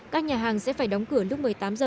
các nhà hàng sẽ phải đóng cửa lúc một mươi tám h